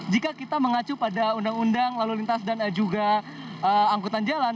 jika kita mengacu pada undang undang lalu lintas dan juga angkutan jalan